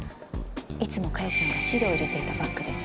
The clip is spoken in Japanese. いつも加代ちゃんが資料を入れていたバッグです。